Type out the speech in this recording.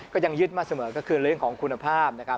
ก็ยังยึดมาเสมอก็คือเรื่องของคุณภาพนะครับ